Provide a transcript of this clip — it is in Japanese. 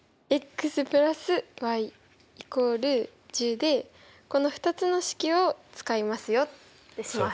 でこの２つの式を使いますよってします。